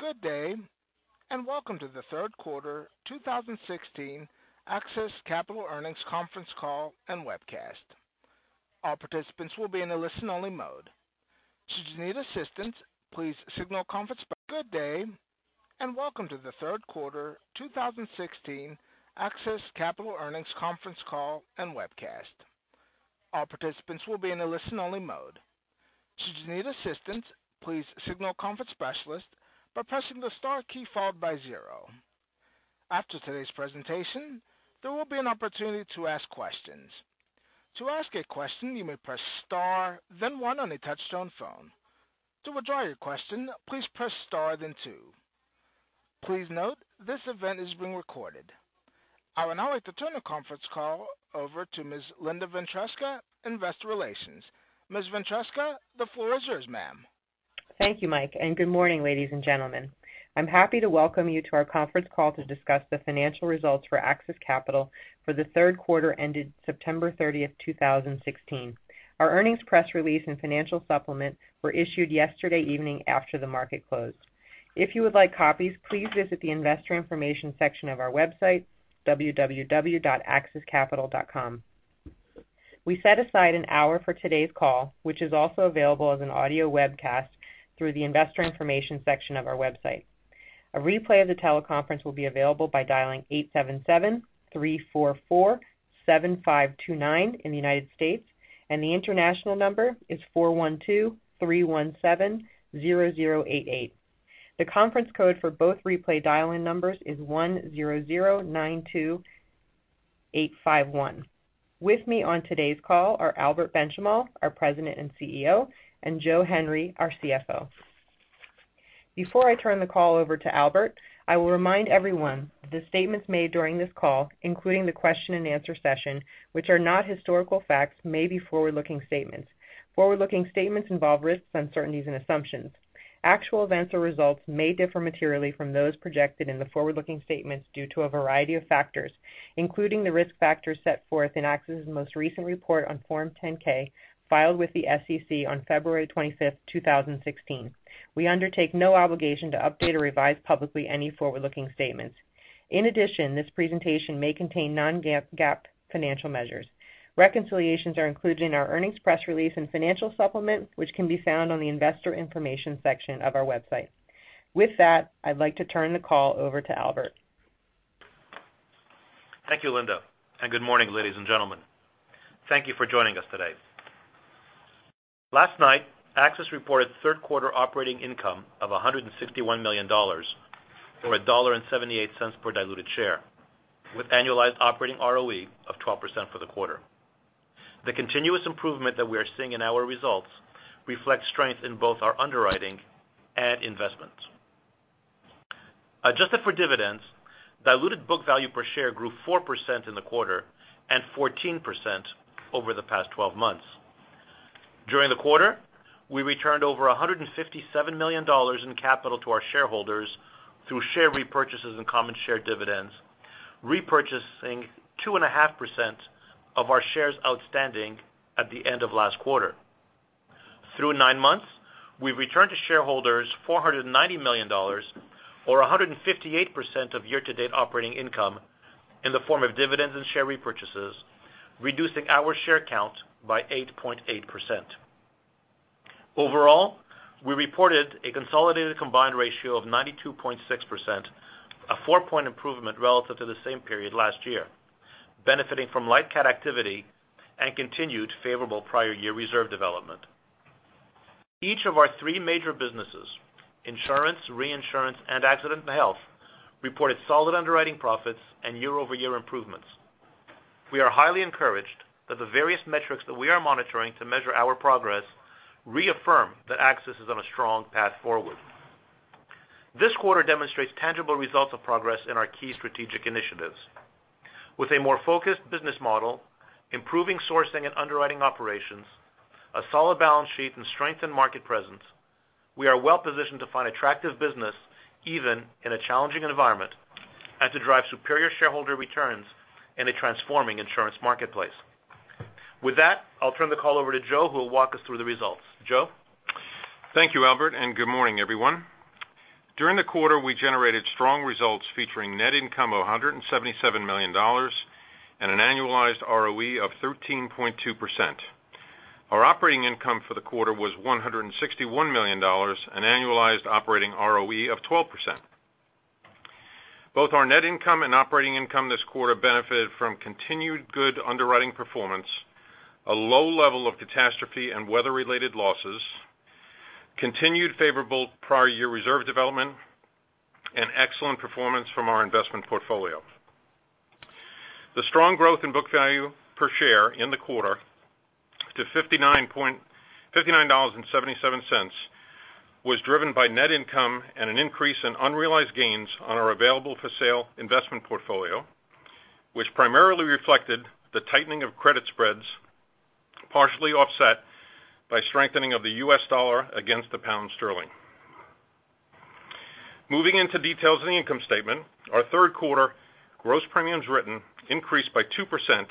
Good day, and welcome to the third quarter 2016 AXIS Capital earnings conference call and webcast. All participants will be in a listen-only mode. Should you need assistance, please signal conference specialist by pressing the star key followed by 0. After today's presentation, there will be an opportunity to ask questions. To ask a question, you may press star, then 1 on a touch-tone phone. To withdraw your question, please press star, then 2. Please note, this event is being recorded. I would now like to turn the conference call over to Ms. Linda Ventresca, Investor Relations. Ms. Ventresca, the floor is yours, ma'am. Thank you, Mike, good morning, ladies and gentlemen. I'm happy to welcome you to our conference call to discuss the financial results for AXIS Capital for the third quarter ended September 30th, 2016. Our earnings press release and financial supplement were issued yesterday evening after the market closed. If you would like copies, please visit the investor information section of our website, www.axiscapital.com. We set aside an hour for today's call, which is also available as an audio webcast through the investor information section of our website. A replay of the teleconference will be available by dialing 877-344-7529 in the U.S., the international number is 412-317-0088. The conference code for both replay dial-in numbers is 10092851. With me on today's call are Albert Benchimol, our President and Chief Executive Officer, and Joe Henry, our Chief Financial Officer. Before I turn the call over to Albert, I will remind everyone that the statements made during this call, including the question and answer session, which are not historical facts, may be forward-looking statements. Forward-looking statements involve risks, uncertainties, and assumptions. Actual events or results may differ materially from those projected in the forward-looking statements due to a variety of factors, including the risk factors set forth in AXIS' most recent report on Form 10-K, filed with the SEC on February 25th, 2016. We undertake no obligation to update or revise publicly any forward-looking statements. This presentation may contain non-GAAP financial measures. Reconciliations are included in our earnings press release and financial supplement, which can be found on the investor information section of our website. I'd like to turn the call over to Albert. Thank you, Linda, good morning, ladies and gentlemen. Thank you for joining us today. Last night, AXIS reported third quarter operating income of $161 million, or $1.78 per diluted share, with annualized operating ROE of 12% for the quarter. The continuous improvement that we are seeing in our results reflects strength in both our underwriting and investments. Adjusted for dividends, diluted book value per share grew 4% in the quarter and 14% over the past 12 months. During the quarter, we returned over $157 million in capital to our shareholders through share repurchases and common share dividends, repurchasing 2.5% of our shares outstanding at the end of last quarter. Through nine months, we've returned to shareholders $490 million, or 158% of year-to-date operating income in the form of dividends and share repurchases, reducing our share count by 8.8%. Overall, we reported a consolidated combined ratio of 92.6%, a four-point improvement relative to the same period last year, benefiting from light CAT activity and continued favorable prior year reserve development. Each of our three major businesses, insurance, reinsurance, and accident and health, reported solid underwriting profits and year-over-year improvements. We are highly encouraged that the various metrics that we are monitoring to measure our progress reaffirm that AXIS is on a strong path forward. This quarter demonstrates tangible results of progress in our key strategic initiatives. With a more focused business model, improving sourcing and underwriting operations, a solid balance sheet, and strengthened market presence, we are well positioned to find attractive business even in a challenging environment and to drive superior shareholder returns in a transforming insurance marketplace. With that, I'll turn the call over to Joe, who will walk us through the results. Joe? Thank you, Albert, and good morning, everyone. During the quarter, we generated strong results featuring net income of $177 million and an annualized ROE of 13.2%. Our operating income for the quarter was $161 million, an annualized operating ROE of 12%. Both our net income and operating income this quarter benefited from continued good underwriting performance, a low level of catastrophe and weather-related losses, continued favorable prior year reserve development, and excellent performance from our investment portfolio. The strong growth in book value per share in the quarter to $59.77 was driven by net income and an increase in unrealized gains on our available-for-sale investment portfolio, which primarily reflected the tightening of credit spreads, partially offset by strengthening of the US dollar against the pound sterling. Moving into details of the income statement, our third quarter gross premiums written increased by 2% to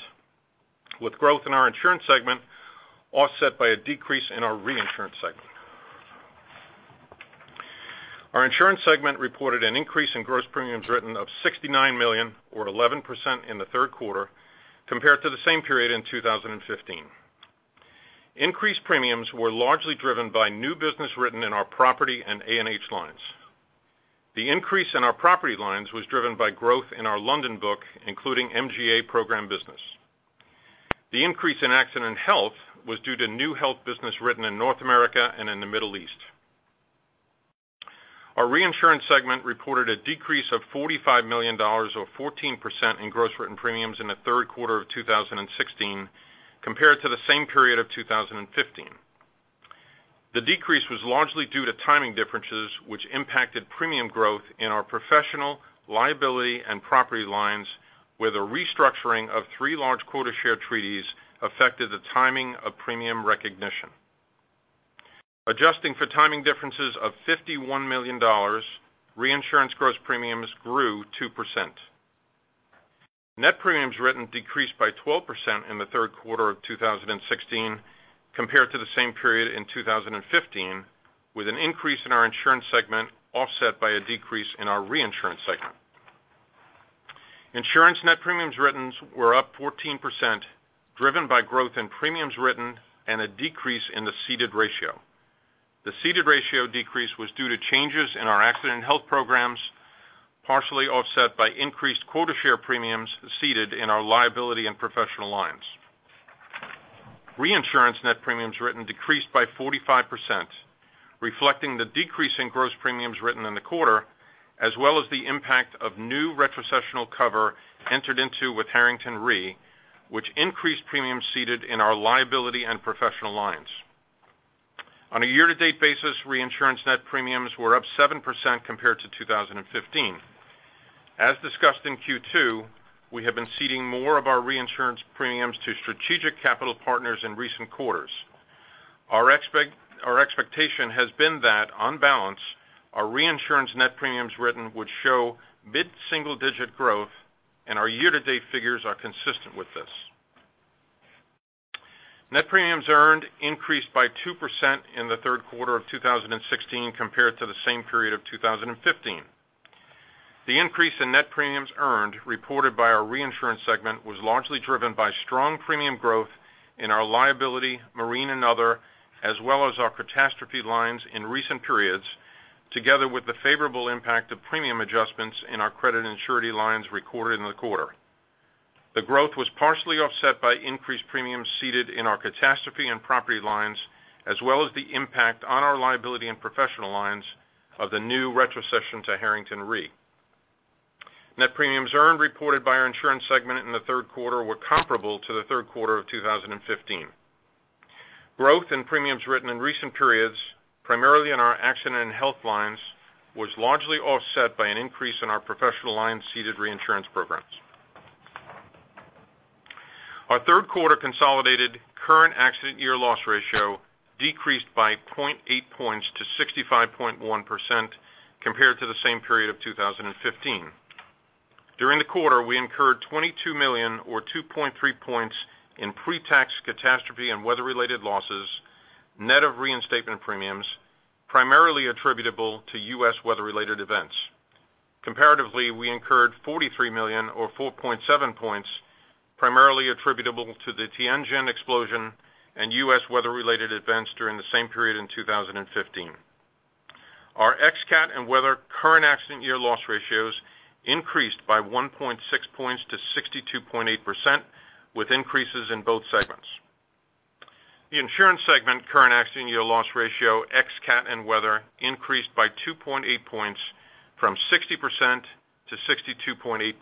With growth in our insurance segment offset by a decrease in our reinsurance segment. Our insurance segment reported an increase in gross premiums written of $69 million, or 11%, in the third quarter compared to the same period in 2015. Increased premiums were largely driven by new business written in our property and A&H lines. The increase in our property lines was driven by growth in our London book, including MGA program business. The increase in accident health was due to new health business written in North America and in the Middle East. Our reinsurance segment reported a decrease of $45 million, or 14%, in gross written premiums in the third quarter of 2016 compared to the same period of 2015. The decrease was largely due to timing differences, which impacted premium growth in our professional liability and property lines with a restructuring of three large quota share treaties affected the timing of premium recognition. Adjusting for timing differences of $51 million, reinsurance gross premiums grew 2%. Net premiums written decreased by 12% in the third quarter of 2016 compared to the same period in 2015, with an increase in our insurance segment offset by a decrease in our reinsurance segment. Insurance net premiums writtens were up 14%, driven by growth in premiums written and a decrease in the ceded ratio. The ceded ratio decrease was due to changes in our accident health programs, partially offset by increased quota share premiums ceded in our liability and professional lines. Reinsurance net premiums written decreased by 45%, reflecting the decrease in gross premiums written in the quarter, as well as the impact of new retrocessional cover entered into with Harrington Re, which increased premiums ceded in our liability and professional lines. On a year-to-date basis, reinsurance net premiums were up 7% compared to 2015. As discussed in Q2, we have been ceding more of our reinsurance premiums to strategic capital partners in recent quarters. Our expectation has been that, on balance, our reinsurance net premiums written would show mid-single-digit growth, and our year-to-date figures are consistent with this. Net premiums earned increased by 2% in the third quarter of 2016 compared to the same period of 2015. The increase in net premiums earned reported by our reinsurance segment was largely driven by strong premium growth in our liability, marine, and other, as well as our catastrophe lines in recent periods, together with the favorable impact of premium adjustments in our credit and surety lines recorded in the quarter. The growth was partially offset by increased premiums ceded in our catastrophe and property lines, as well as the impact on our liability and professional lines of the new retrocession to Harrington Re. Net premiums earned reported by our insurance segment in the third quarter were comparable to the third quarter of 2015. Growth in premiums written in recent periods, primarily in our accident and health lines, was largely offset by an increase in our professional lines ceded reinsurance programs. Our third quarter consolidated current accident year loss ratio decreased by 0.8 points to 65.1% compared to the same period of 2015. During the quarter, we incurred $22 million, or 2.3 points, in pre-tax CAT and weather-related losses, net of reinstatement premiums, primarily attributable to U.S. weather-related events. Comparatively, we incurred $43 million, or 4.7 points, primarily attributable to the Tianjin explosion and U.S. weather-related events during the same period in 2015. Our ex CAT and weather current accident year loss ratios increased by 1.6 points to 62.8%, with increases in both segments. The insurance segment current accident year loss ratio ex CAT and weather increased by 2.8 points from 60% to 62.8%.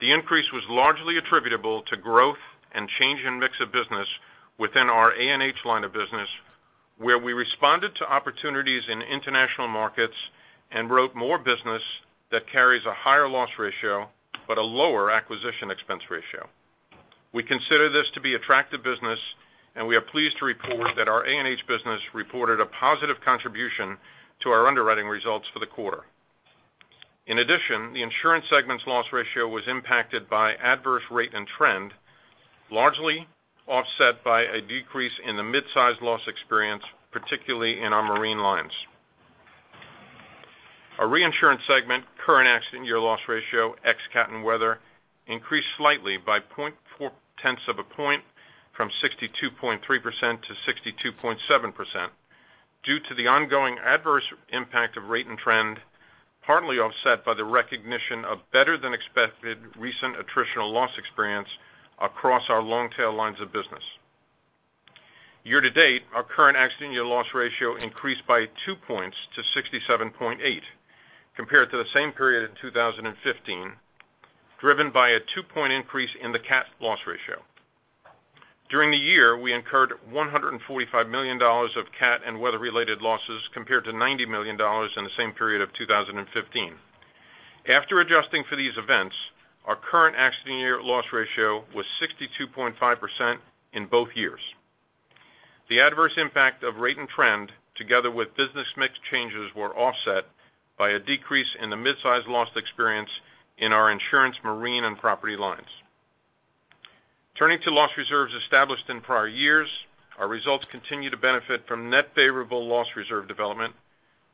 The increase was largely attributable to growth and change in mix of business within our A&H line of business, where we responded to opportunities in international markets and wrote more business that carries a higher loss ratio but a lower acquisition expense ratio. We consider this to be attractive business, and we are pleased to report that our A&H business reported a positive contribution to our underwriting results for the quarter. In addition, the insurance segment's loss ratio was impacted by adverse rate and trend, largely offset by a decrease in the mid-size loss experience, particularly in our marine lines. Our reinsurance segment current accident year loss ratio ex CAT and weather increased slightly by 0.4 points from 62.3% to 62.7% due to the ongoing adverse impact of rate and trend, partly offset by the recognition of better than expected recent attritional loss experience across our long-tail lines of business. Year to date, our current accident year loss ratio increased by two points to 67.8% compared to the same period in 2015, driven by a two-point increase in the CAT loss ratio. During the year, we incurred $145 million of CAT and weather-related losses, compared to $90 million in the same period of 2015. After adjusting for these events, our current accident year loss ratio was 62.5% in both years. The adverse impact of rate and trend together with business mix changes were offset by a decrease in the mid-sized loss experience in our insurance marine and property lines. Turning to loss reserves established in prior years, our results continue to benefit from net favorable loss reserve development,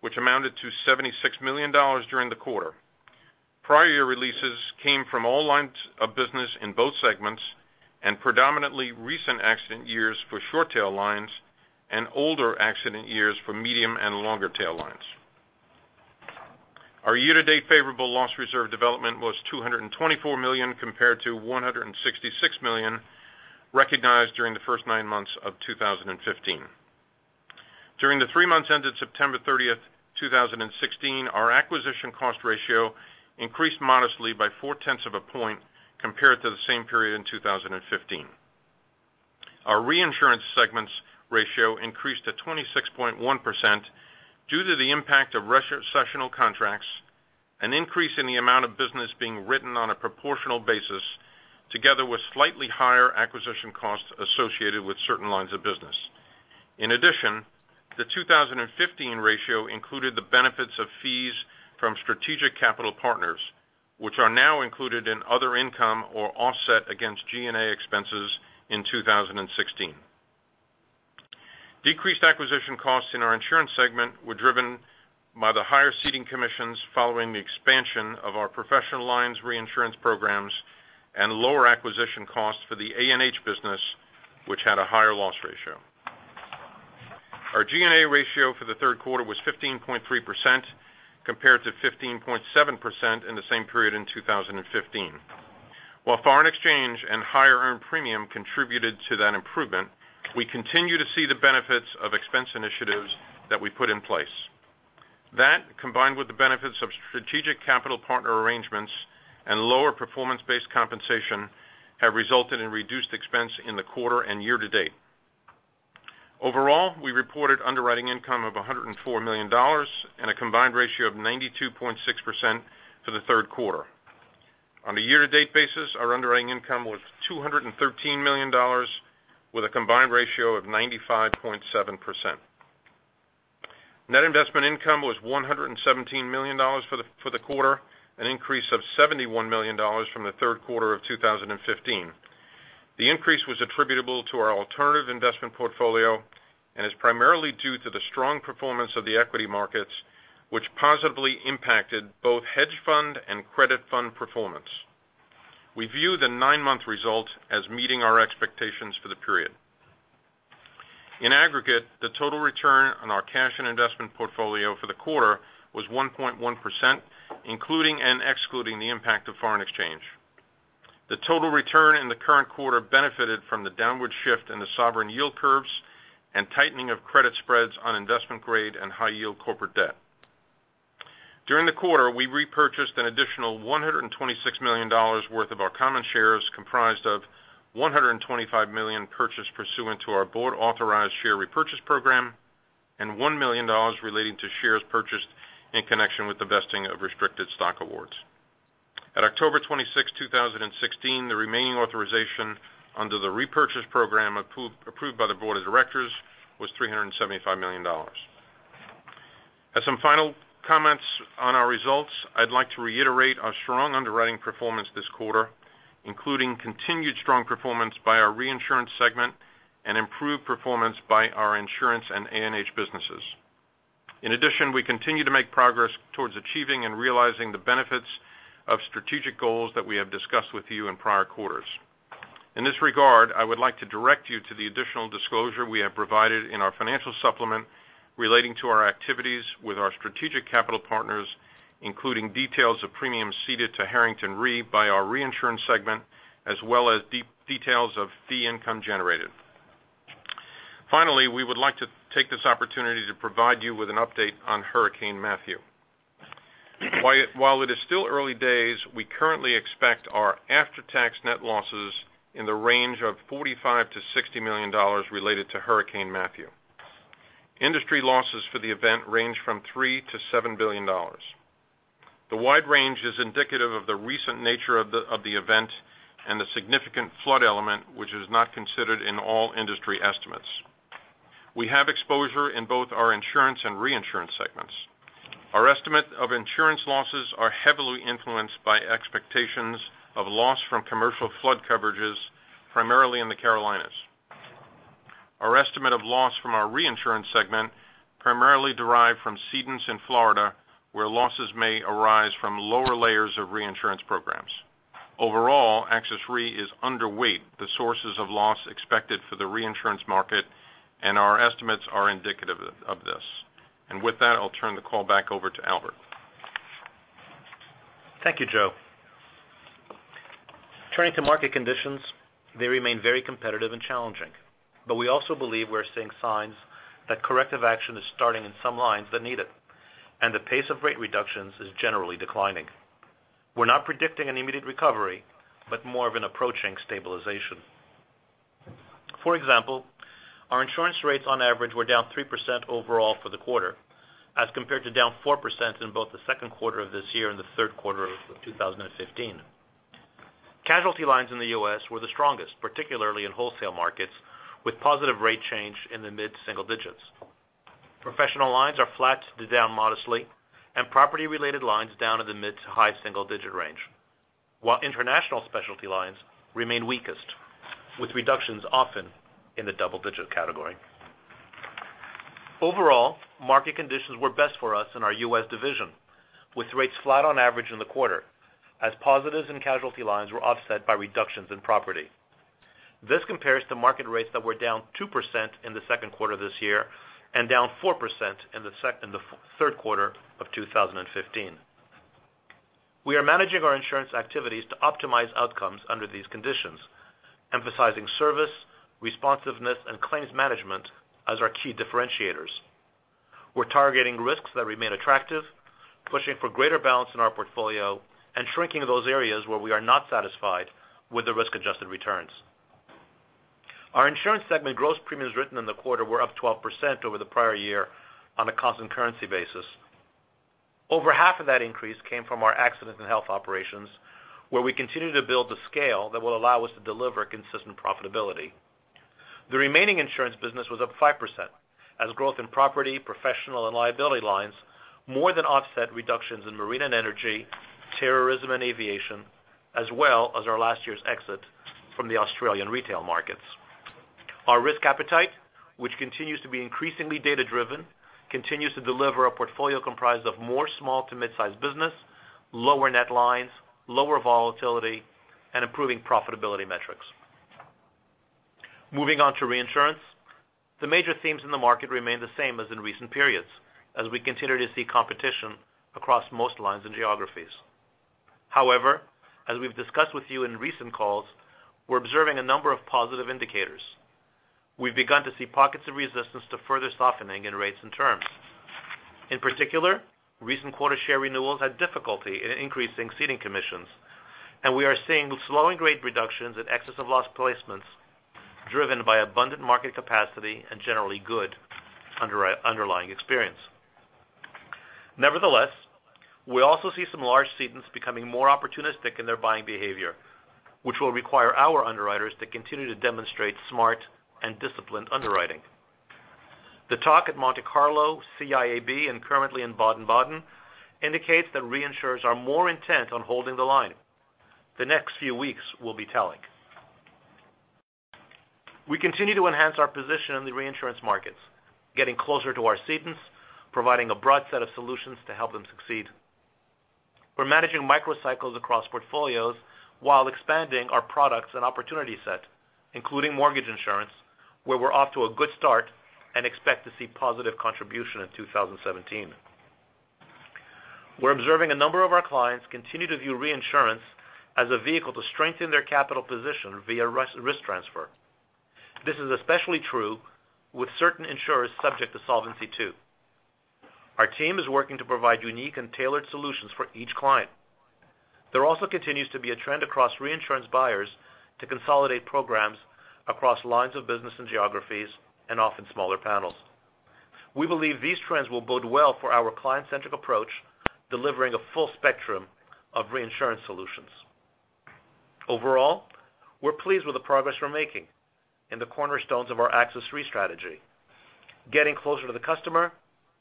which amounted to $76 million during the quarter. Prior year releases came from all lines of business in both segments, and predominantly recent accident years for short tail lines and older accident years for medium and longer tail lines. Our year-to-date favorable loss reserve development was $224 million compared to $166 million recognized during the first nine months of 2015. During the three months ended September 30th, 2016, our acquisition cost ratio increased modestly by four tenths of a point compared to the same period in 2015. Our reinsurance segments ratio increased to 26.1% due to the impact of retrocessional contracts, an increase in the amount of business being written on a proportional basis, together with slightly higher acquisition costs associated with certain lines of business. In addition, the 2015 ratio included the benefits of fees from strategic capital partners, which are now included in other income or offset against G&A expenses in 2016. Decreased acquisition costs in our insurance segment were driven by the higher ceding commissions following the expansion of our professional lines reinsurance programs and lower acquisition costs for the A&H business, which had a higher loss ratio. Our G&A ratio for the third quarter was 15.3% compared to 15.7% in the same period in 2015. While foreign exchange and higher earned premium contributed to that improvement, we continue to see the benefits of expense initiatives that we put in place. That, combined with the benefits of strategic capital partner arrangements and lower performance-based compensation, have resulted in reduced expense in the quarter and year to date. Overall, we reported underwriting income of $104 million and a combined ratio of 92.6% for the third quarter. On a year-to-date basis, our underwriting income was $213 million with a combined ratio of 95.7%. Net investment income was $117 million for the quarter, an increase of $71 million from the third quarter of 2015. The increase was attributable to our alternative investment portfolio and is primarily due to the strong performance of the equity markets, which positively impacted both hedge fund and credit fund performance. We view the nine-month result as meeting our expectations for the period. In aggregate, the total return on our cash and investment portfolio for the quarter was 1.1%, including and excluding the impact of foreign exchange. The total return in the current quarter benefited from the downward shift in the sovereign yield curves and tightening of credit spreads on investment-grade and high-yield corporate debt. During the quarter, we repurchased an additional $126 million worth of our common shares, comprised of $125 million purchased pursuant to our board-authorized share repurchase program, and $1 million relating to shares purchased in connection with the vesting of restricted stock awards. At October 26, 2016, the remaining authorization under the repurchase program approved by the board of directors was $375 million. As some final comments on our results, I'd like to reiterate our strong underwriting performance this quarter, including continued strong performance by our reinsurance segment and improved performance by our insurance and A&H businesses. We continue to make progress towards achieving and realizing the benefits of strategic goals that we have discussed with you in prior quarters. In this regard, I would like to direct you to the additional disclosure we have provided in our financial supplement relating to our activities with our strategic capital partners, including details of premiums ceded to Harrington Re by our reinsurance segment, as well as details of fee income generated. We would like to take this opportunity to provide you with an update on Hurricane Matthew. While it is still early days, we currently expect our after-tax net losses in the range of $45 million-$60 million related to Hurricane Matthew. Industry losses for the event range from $3 billion-$7 billion. The wide range is indicative of the recent nature of the event and the significant flood element, which is not considered in all industry estimates. We have exposure in both our insurance and reinsurance segments. Our estimate of insurance losses are heavily influenced by expectations of loss from commercial flood coverages, primarily in the Carolinas. Our estimate of loss from our reinsurance segment primarily derive from cedents in Florida, where losses may arise from lower layers of reinsurance programs. AXIS Re is underweight the sources of loss expected for the reinsurance market, and our estimates are indicative of this. With that, I'll turn the call back over to Albert. Thank you, Joe. Turning to market conditions, they remain very competitive and challenging. We also believe we're seeing signs that corrective action is starting in some lines that need it, and the pace of rate reductions is generally declining. We're not predicting an immediate recovery, but more of an approaching stabilization. For example, our insurance rates on average were down 3% overall for the quarter as compared to down 4% in both the second quarter of this year and the third quarter of 2015. Casualty lines in the U.S. were the strongest, particularly in wholesale markets, with positive rate change in the mid-single digits. Professional lines are flat to down modestly, and property-related lines down in the mid to high single-digit range. International specialty lines remain weakest, with reductions often in the double-digit category. Overall, market conditions were best for us in our U.S. division, with rates flat on average in the quarter, as positives and casualty lines were offset by reductions in property. This compares to market rates that were down 2% in the second quarter of this year and down 4% in the third quarter of 2015. We are managing our insurance activities to optimize outcomes under these conditions, emphasizing service, responsiveness, and claims management as our key differentiators. We're targeting risks that remain attractive, pushing for greater balance in our portfolio, and shrinking those areas where we are not satisfied with the risk-adjusted returns. Our insurance segment gross premiums written in the quarter were up 12% over the prior year on a constant currency basis. Over half of that increase came from our accident and health operations, where we continue to build the scale that will allow us to deliver consistent profitability. The remaining insurance business was up 5%, as growth in property, professional, and liability lines more than offset reductions in marine and energy, terrorism and aviation, as well as our last year's exit from the Australian retail markets. Our risk appetite, which continues to be increasingly data-driven, continues to deliver a portfolio comprised of more small to mid-size business, lower net lines, lower volatility, and improving profitability metrics. Moving on to reinsurance. The major themes in the market remain the same as in recent periods as we continue to see competition across most lines and geographies. However, as we've discussed with you in recent calls, we're observing a number of positive indicators. We've begun to see pockets of resistance to further softening in rates and terms. In particular, recent quota share renewals had difficulty in increasing ceding commissions, and we are seeing slowing rate reductions in excess of loss placements driven by abundant market capacity and generally good underlying experience. Nevertheless, we also see some large cedents becoming more opportunistic in their buying behavior, which will require our underwriters to continue to demonstrate smart and disciplined underwriting. The talk at Monte Carlo, CIAB, and currently in Baden-Baden, indicates that reinsurers are more intent on holding the line. The next few weeks will be telling. We continue to enhance our position in the reinsurance markets, getting closer to our cedents, providing a broad set of solutions to help them succeed. We're managing microcycles across portfolios while expanding our products and opportunity set, including mortgage insurance, where we're off to a good start and expect to see positive contribution in 2017. We're observing a number of our clients continue to view reinsurance as a vehicle to strengthen their capital position via risk transfer. This is especially true with certain insurers subject to Solvency II. Our team is working to provide unique and tailored solutions for each client. There also continues to be a trend across reinsurance buyers to consolidate programs across lines of business and geographies and often smaller panels. We believe these trends will bode well for our client-centric approach, delivering a full spectrum of reinsurance solutions. Overall, we're pleased with the progress we're making in the cornerstones of our AXIS Re strategy. Getting closer to the customer,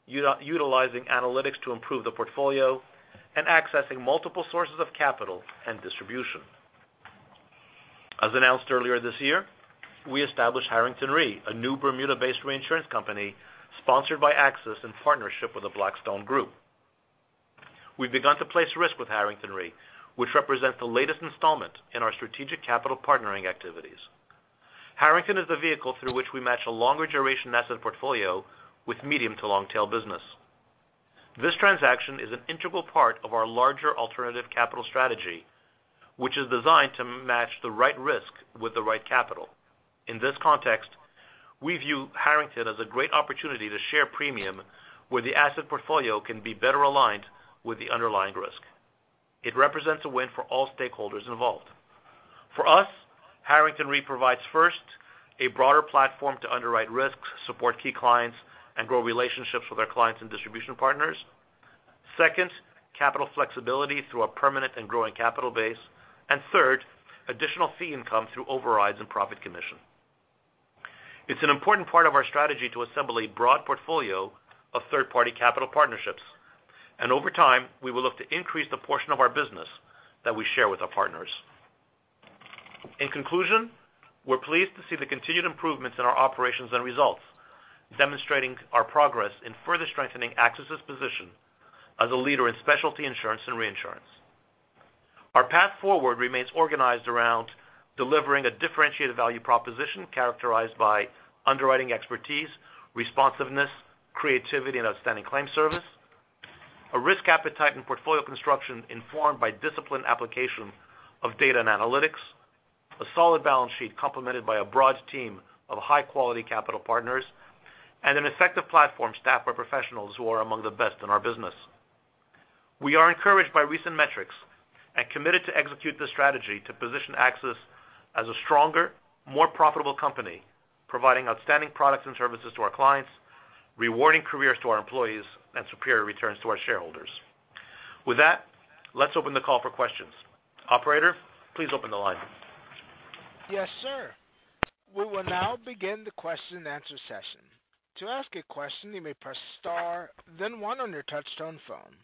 utilizing analytics to improve the portfolio, accessing multiple sources of capital and distribution. As announced earlier this year, we established Harrington Re, a new Bermuda-based reinsurance company sponsored by AXIS in partnership with The Blackstone Group. We've begun to place risk with Harrington Re, which represents the latest installment in our strategic capital partnering activities. Harrington is the vehicle through which we match a longer duration asset portfolio with medium to long-tail business. This transaction is an integral part of our larger alternative capital strategy, which is designed to match the right risk with the right capital. In this context, we view Harrington as a great opportunity to share premium where the asset portfolio can be better aligned with the underlying risk. It represents a win for all stakeholders involved. For us, Harrington Re provides, first, a broader platform to underwrite risks, support key clients, grow relationships with our clients and distribution partners. Second, capital flexibility through a permanent and growing capital base, third, additional fee income through overrides and profit commission. It's an important part of our strategy to assemble a broad portfolio of third-party capital partnerships, over time, we will look to increase the portion of our business that we share with our partners. In conclusion, we're pleased to see the continued improvements in our operations and results, demonstrating our progress in further strengthening AXIS's position as a leader in specialty insurance and reinsurance. Our path forward remains organized around delivering a differentiated value proposition characterized by underwriting expertise, responsiveness, creativity, and outstanding claim service. A risk appetite and portfolio construction informed by disciplined application of data and analytics. A solid balance sheet complemented by a broad team of high-quality capital partners, an effective platform staffed by professionals who are among the best in our business. We are encouraged by recent metrics and committed to execute this strategy to position AXIS as a stronger, more profitable company, providing outstanding products and services to our clients Rewarding careers to our employees and superior returns to our shareholders. With that, let's open the call for questions. Operator, please open the line. Yes, sir. We will now begin the question and answer session. To ask a question, you may press star then one on your touch-tone phone.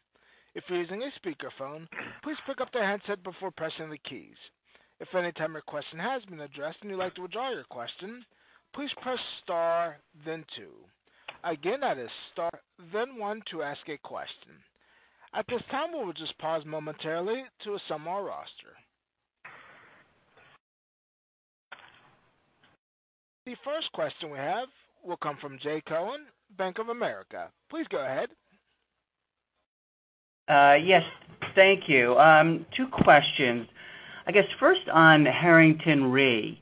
If you're using a speakerphone, please pick up the handset before pressing the keys. If at any time your question has been addressed and you'd like to withdraw your question, please press star then two. Again, that is star then one to ask a question. At this time, we will just pause momentarily to assemble our roster. The first question we have will come from Jay Cohen, Bank of America. Please go ahead. Yes. Thank you. Two questions. I guess first on Harrington Re.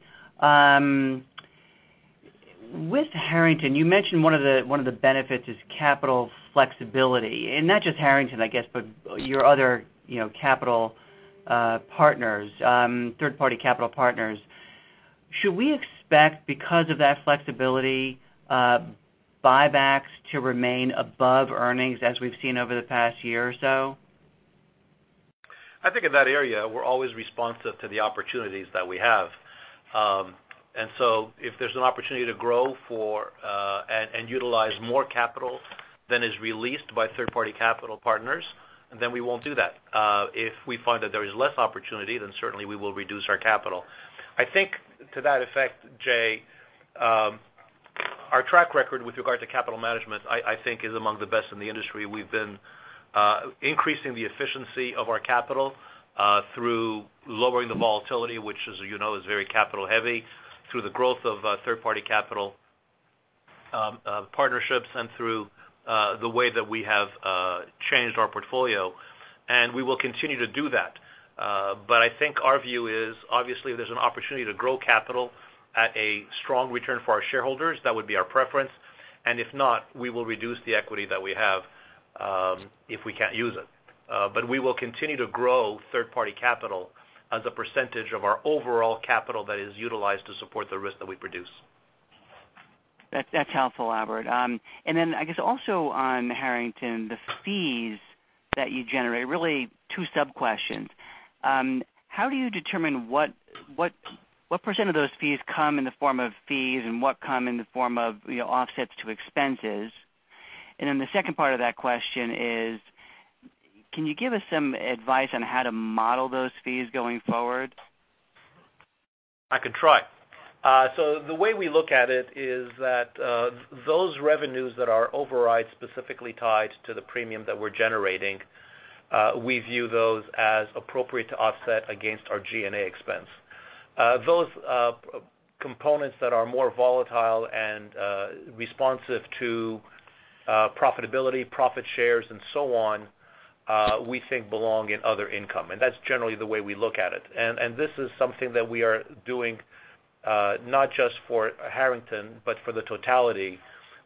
With Harrington, you mentioned one of the benefits is capital flexibility, not just Harrington, I guess, but your other capital partners, third-party capital partners. Should we expect, because of that flexibility, buybacks to remain above earnings as we've seen over the past year or so? I think in that area, we're always responsive to the opportunities that we have. If there's an opportunity to grow for and utilize more capital than is released by third-party capital partners, then we won't do that. If we find that there is less opportunity, then certainly we will reduce our capital. I think to that effect, Jay, our track record with regard to capital management, I think is among the best in the industry. We've been increasing the efficiency of our capital through lowering the volatility, which as you know is very capital heavy, through the growth of third-party capital partnerships and through the way that we have changed our portfolio, and we will continue to do that. I think our view is obviously if there's an opportunity to grow capital at a strong return for our shareholders, that would be our preference, and if not, we will reduce the equity that we have if we can't use it. We will continue to grow third-party capital as a percentage of our overall capital that is utilized to support the risk that we produce. That's helpful, Albert. I guess also on Harrington, the fees that you generate, really two sub-questions. How do you determine what % of those fees come in the form of fees and what come in the form of offsets to expenses? The second part of that question is, can you give us some advice on how to model those fees going forward? I can try. The way we look at it is that those revenues that are override specifically tied to the premium that we're generating, we view those as appropriate to offset against our G&A expense. Those components that are more volatile and responsive to profitability, profit shares, and so on, we think belong in other income, and that's generally the way we look at it. This is something that we are doing not just for Harrington, but for the totality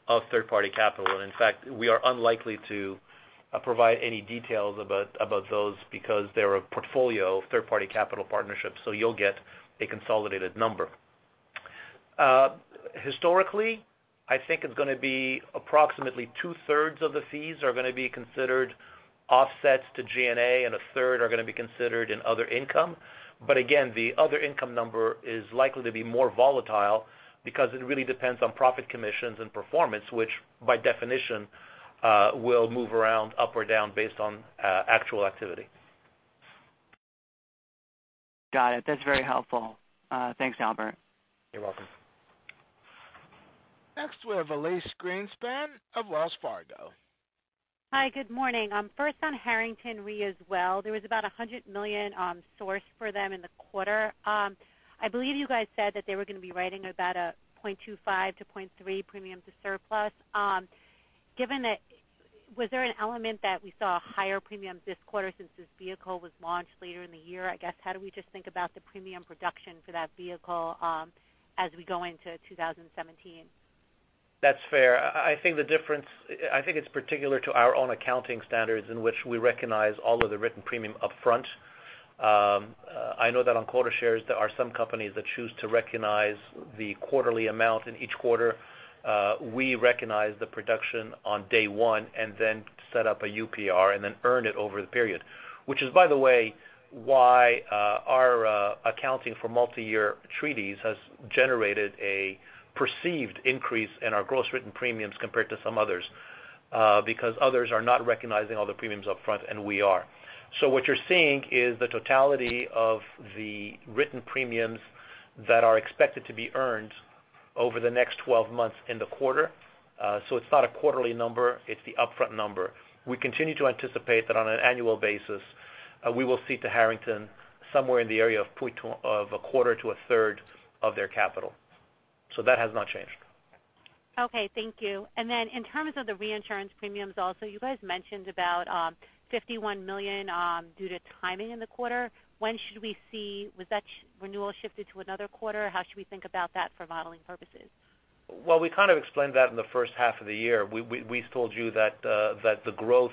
of third-party capital. In fact, we are unlikely to provide any details about those because they're a portfolio of third-party capital partnerships, so you'll get a consolidated number. Historically, I think it's going to be approximately two-thirds of the fees are going to be considered offsets to G&A, and a third are going to be considered in other income. Again, the other income number is likely to be more volatile because it really depends on profit commissions and performance, which by definition will move around up or down based on actual activity. Got it. That's very helpful. Thanks, Albert. You're welcome. Next, we have Elyse Greenspan of Wells Fargo. Hi, good morning. First on Harrington Re as well, there was about $100 million source for them in the quarter. I believe you guys said that they were going to be writing about a 0.25-0.3 premium to surplus. Was there an element that we saw a higher premium this quarter since this vehicle was launched later in the year? I guess, how do we just think about the premium production for that vehicle as we go into 2017? That's fair. I think it's particular to our own accounting standards in which we recognize all of the written premium upfront. I know that on quota shares, there are some companies that choose to recognize the quarterly amount in each quarter. We recognize the production on day one and then set up a UPR and then earn it over the period. Which is, by the way, why our accounting for multi-year treaties has generated a perceived increase in our gross written premiums compared to some others, because others are not recognizing all the premiums upfront, and we are. What you're seeing is the totality of the written premiums that are expected to be earned over the next 12 months in the quarter. It's not a quarterly number, it's the upfront number. We continue to anticipate that on an annual basis, we will cede to Harrington somewhere in the area of a quarter to a third of their capital. That has not changed. Okay. Thank you. Then in terms of the reinsurance premiums also, you guys mentioned about $51 million due to timing in the quarter. When should we see that renewal shifted to another quarter? How should we think about that for modeling purposes? Well, we kind of explained that in the first half of the year. We told you that the growth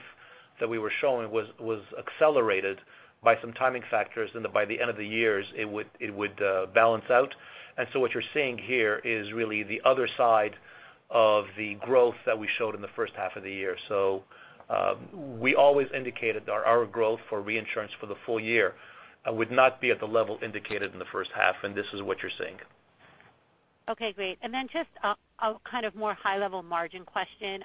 that we were showing was accelerated by some timing factors, and by the end of the year it would balance out. What you're seeing here is really the other side of the growth that we showed in the first half of the year. We always indicated our growth for reinsurance for the full year would not be at the level indicated in the first half, and this is what you're seeing. Okay, great. Then just a kind of more high-level margin question.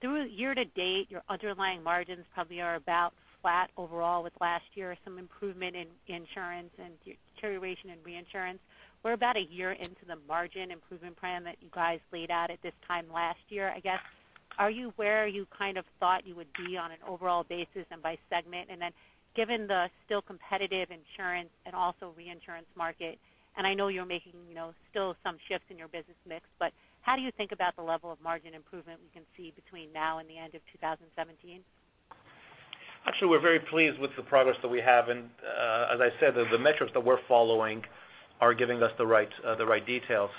Through year-to-date, your underlying margins probably are about flat overall with last year, some improvement in insurance and deterioration in reinsurance. We're about a year into the margin improvement plan that you guys laid out at this time last year. I guess, are you where you kind of thought you would be on an overall basis and by segment? Then given the still competitive insurance and also reinsurance market, and I know you're making still some shifts in your business mix, but how do you think about the level of margin improvement we can see between now and the end of 2017? Actually, we're very pleased with the progress that we have. As I said, the metrics that we're following are giving us the right details.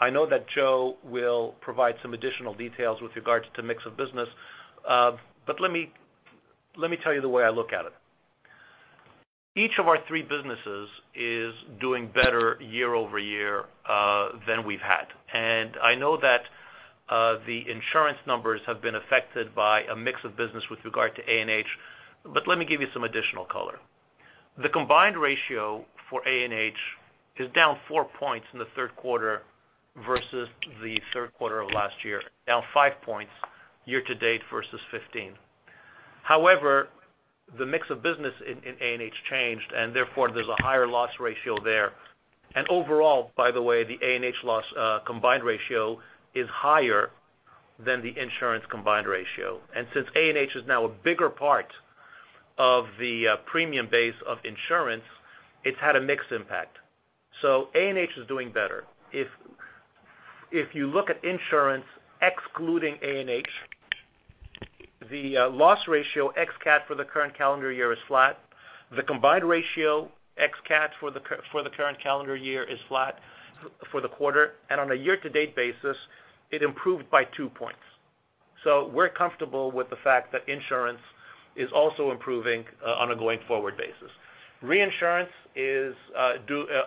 I know that Joe will provide some additional details with regards to mix of business. Let me tell you the way I look at it. Each of our three businesses is doing better year-over-year than we've had, and I know that the insurance numbers have been affected by a mix of business with regard to A&H, but let me give you some additional color. The combined ratio for A&H is down four points in the third quarter versus the third quarter of last year, down five points year-to-date versus 2015. However, the mix of business in A&H changed, and therefore there's a higher loss ratio there. Overall, by the way, the A&H loss combined ratio is higher than the insurance combined ratio. Since A&H is now a bigger part of the premium base of insurance, it's had a mixed impact. A&H is doing better. If you look at insurance excluding A&H, the loss ratio ex-CAT for the current calendar year is flat. The combined ratio ex-CAT for the current calendar year is flat for the quarter, and on a year-to-date basis, it improved by two points. We're comfortable with the fact that insurance is also improving on a going-forward basis. Reinsurance is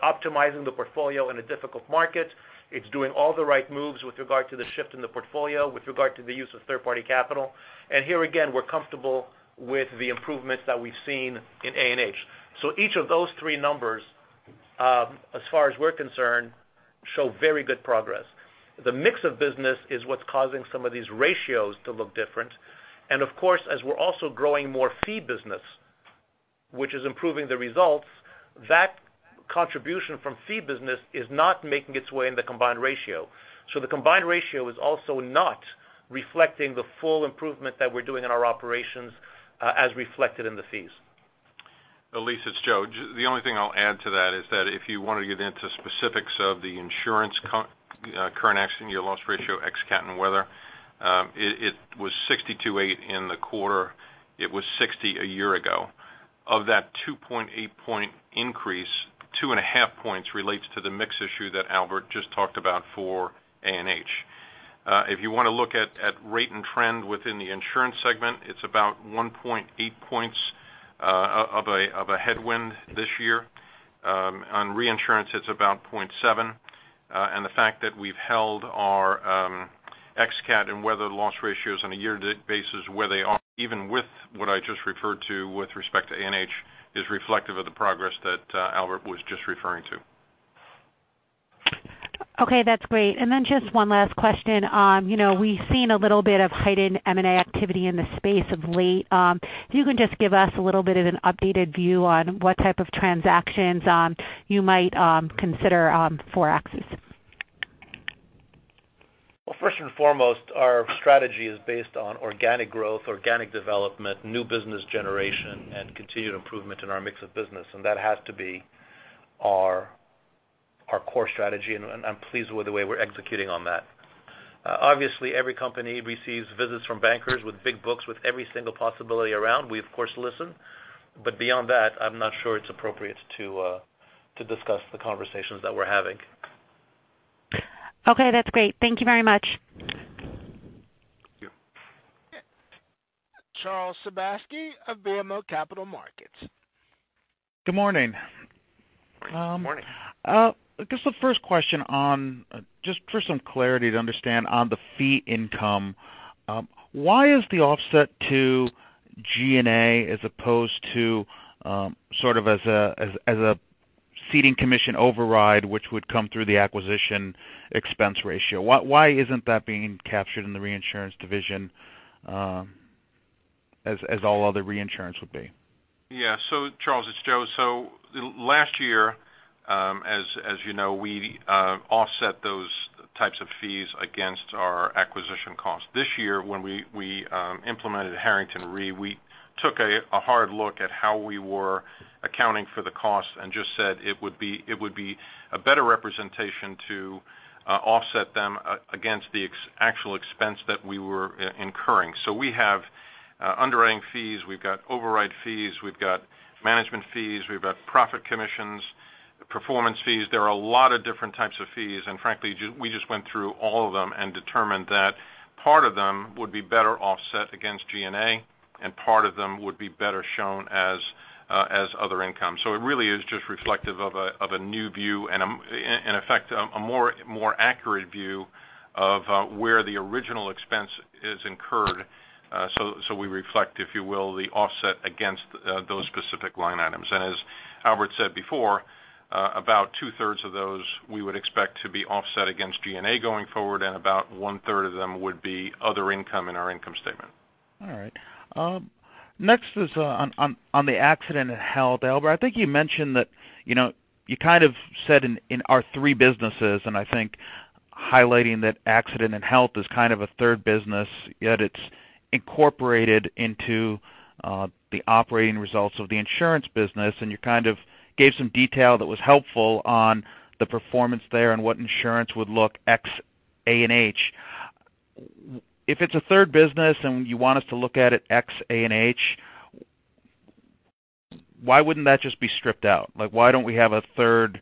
optimizing the portfolio in a difficult market. It's doing all the right moves with regard to the shift in the portfolio, with regard to the use of third-party capital. Here again, we're comfortable with the improvements that we've seen in A&H. Each of those three numbers, as far as we're concerned, show very good progress. The mix of business is what's causing some of these ratios to look different. Of course, as we're also growing more fee business, which is improving the results, that contribution from fee business is not making its way in the combined ratio. The combined ratio is also not reflecting the full improvement that we're doing in our operations as reflected in the fees. Elyse, it's Joe. The only thing I'll add to that is that if you want to get into specifics of the insurance current accident year loss ratio, ex-CAT and weather, it was 62.8 in the quarter. It was 60 a year ago. Of that 2.8 point increase, 2.5 points relates to the mix issue that Albert just talked about for A&H. If you want to look at rate and trend within the insurance segment, it's about 1.8 points of a headwind this year. On reinsurance, it's about 0.7. The fact that we've held our ex-CAT and weather loss ratios on a year-to-date basis where they are even with what I just referred to with respect to A&H is reflective of the progress that Albert was just referring to. Okay, that's great. Then just one last question. We've seen a little bit of heightened M&A activity in the space of late. If you can just give us a little bit of an updated view on what type of transactions you might consider for AXIS. First and foremost, our strategy is based on organic growth, organic development, new business generation, and continued improvement in our mix of business, and that has to be our core strategy, I'm pleased with the way we're executing on that. Obviously, every company receives visits from bankers with big books, with every single possibility around. We, of course, listen. Beyond that, I'm not sure it's appropriate to discuss the conversations that we're having. That's great. Thank you very much. Thank you. Charles Sebaski of BMO Capital Markets. Good morning. Morning. Morning. I guess the first question on just for some clarity to understand on the fee income, why is the offset to G&A as opposed to sort of as a ceding commission override, which would come through the acquisition expense ratio? Why isn't that being captured in the reinsurance division as all other reinsurance would be? Yeah. Charles, it's Joe. Last year, as you know, we offset those types of fees against our acquisition cost. This year, when we implemented Harrington Re, we took a hard look at how we were accounting for the cost and just said it would be a better representation to offset them against the actual expense that we were incurring. We have underwriting fees, we've got override fees, we've got management fees, we've got profit commissions, Performance fees. There are a lot of different types of fees, and frankly, we just went through all of them and determined that part of them would be better offset against G&A, and part of them would be better shown as other income. It really is just reflective of a new view and in effect, a more accurate view of where the original expense is incurred. We reflect, if you will, the offset against those specific line items. As Albert said before, about two-thirds of those we would expect to be offset against G&A going forward, and about one-third of them would be other income in our income statement. All right. Next is on the accident and health. Albert, I think you mentioned that you kind of said in our three businesses, and I think highlighting that accident and health is kind of a third business, yet it's incorporated into the operating results of the insurance business, and you kind of gave some detail that was helpful on the performance there and what insurance would look ex A&H. If it's a third business and you want us to look at it ex A&H, why wouldn't that just be stripped out? Why don't we have a third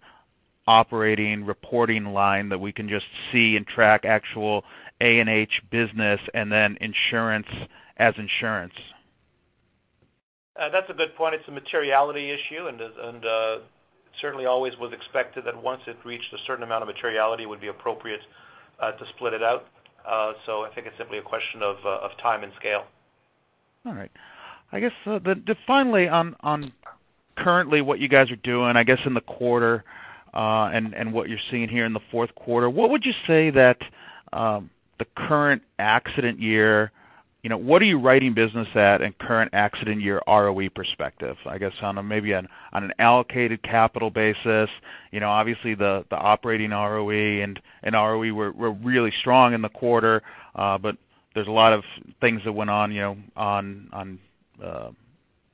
operating reporting line that we can just see and track actual A&H business and then insurance as insurance? That's a good point. It's a materiality issue, certainly always was expected that once it reached a certain amount of materiality, it would be appropriate to split it out. I think it's simply a question of time and scale. All right. I guess finally, on currently what you guys are doing, I guess, in the quarter, and what you're seeing here in the fourth quarter, what would you say that the current accident year, what are you writing business at in current accident year ROE perspective, I guess, on maybe on an allocated capital basis? Obviously, the operating ROE and ROE were really strong in the quarter, there's a lot of things that went on